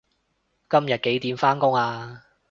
今日幾點返工啊